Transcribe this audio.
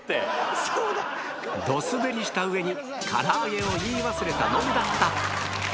ドすべりした上に「から揚げ」を言い忘れたノブだった